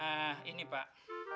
eh ini pak